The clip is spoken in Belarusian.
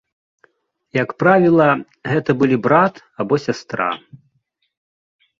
Як правіла, гэта былі брат або сястра.